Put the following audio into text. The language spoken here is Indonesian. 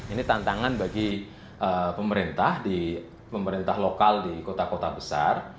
ini tantangan bagi pemerintah lokal di kota kota besar